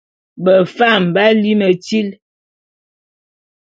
Befam b'á lí metíl.